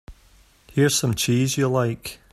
Here's some cheese you like.